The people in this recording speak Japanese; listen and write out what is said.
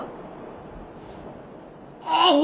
アホ！